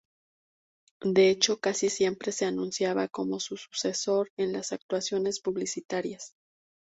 De hecho casi siempre se anunciaba como su sucesor en las actuaciones publicitarias.